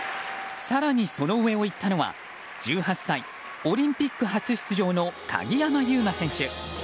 更に、その上を行ったのは１８歳オリンピック初出場の鍵山優真選手。